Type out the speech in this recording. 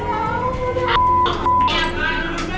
รับแต่